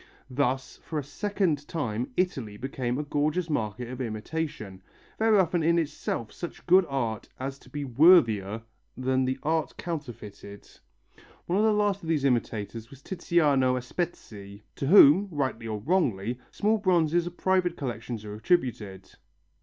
Thus for a second time Italy became a gorgeous market of imitation, very often in itself such good art as to be worthier than the art counterfeited. One of the last of these imitators was Tiziano Aspetti, to whom, rightly or wrongly, small bronzes of private collections are attributed.